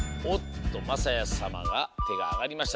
まさやさまがてがあがりました。